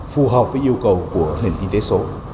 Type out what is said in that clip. phù hợp với yêu cầu của nền kinh tế số